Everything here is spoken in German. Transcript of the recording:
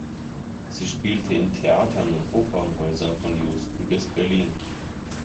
Sie spilete in Theatern und Opernhäusern von Houston bis Berlin.